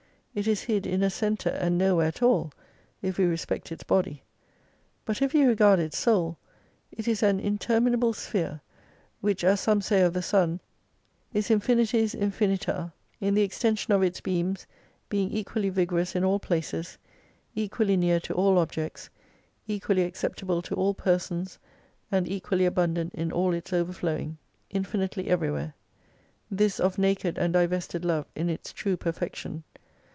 It is hid in a centre and nowhere at all, if we respect its body. But if you regard its soul, it is an interminable sphere, which as some say of the sun, is infinities infinita, in the extension of its beams, being equally vigorous in all places, equally near to all objects, equally acceptable to all persons, and equally abundant in all its overflowing : Infinitely everywhere. This of naked and divested Love in its true perfection.